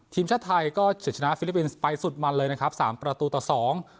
ทีมชาติไทยก็เฉียดชนะฟิลิปปินส์ไปสุดมันเลยนะครับสามประตูต่อสอง